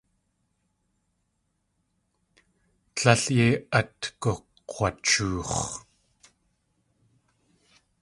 Tlél yei at gug̲wachoox̲.